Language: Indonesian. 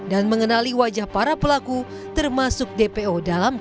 aep pun belum memberikan jawaban untuk menerima pendawaran lpsk